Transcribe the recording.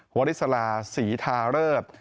หัวฤษลาศรีทาเริบ